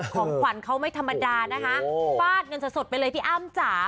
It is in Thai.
ของขวัญเขาไม่ธรรมดานะคะฟาดเงินสดไปเลยพี่อ้ำจ๋า